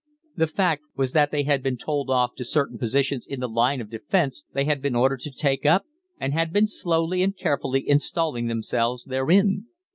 The fact was that they had been told off to certain positions in the line of defence they had been ordered to take up, and had been slowly and carefully installing themselves therein.